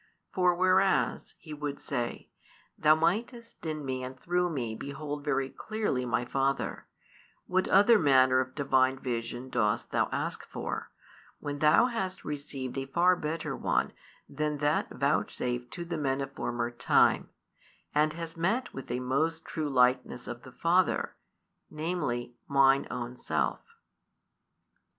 "For whereas," He would say, "thou mightest in Me and through Me behold very clearly My Father, what other manner of Divine vision dost thou ask for, when thou hast received a far better one than that vouchsafed to the men of former time, and hast met with a most true Likeness of the Father, namely Mine own Self?"